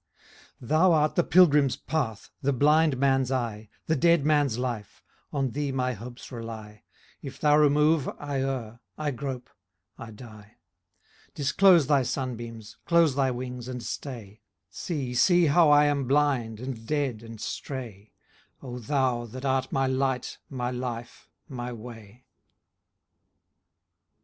\6\ Thou art the pilgrim's path, the blind man' The dead man's life : on thee my hopes rely ; If thou remove, I err, I grope, ' die. Disclose thy sun beams, close thy wings and stay ; See, see how I am blind and dead, and stray, O thou that art my Light, my life, my way.